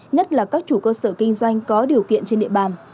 nhất là các chủ cơ sở kinh doanh có điều kiện trên địa bàn